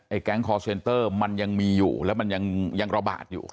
แก๊งคอร์เซนเตอร์มันยังมีอยู่แล้วมันยังระบาดอยู่